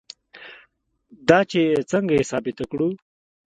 دا چې څنګه یې ثابته کړو.